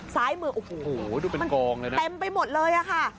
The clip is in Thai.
ซ้ายมือโอ้โหมันเต็มไปหมดเลยค่ะ